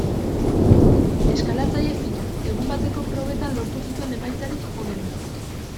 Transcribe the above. Eskalatzaile fina, egun bateko probetan lortu zituen emaitzarik onenak.